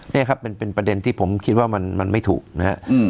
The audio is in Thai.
นี่ครับเป็นประเด็นที่ผมคิดว่ามันไม่ถูกนะครับ